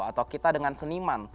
atau kita dengan seniman